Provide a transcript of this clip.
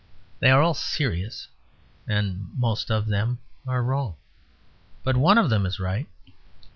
They are all serious, and most of them are wrong. But one of them is right.